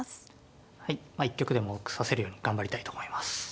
一局でも多く指せるように頑張りたいと思います。